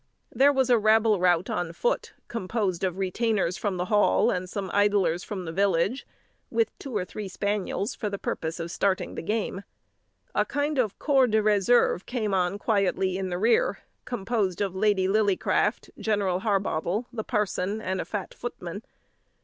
There was a rabble rout on foot, composed of retainers from the Hall, and some idlers from the village, with two or three spaniels for the purpose of starting the game. A kind of corps de reserve came on quietly in the rear, composed of Lady Lillycraft, General Harbottle, the parson, and a fat footman.